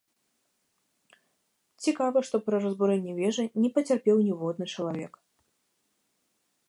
Цікава, што пры разбурэнні вежы не пацярпеў ніводны чалавек.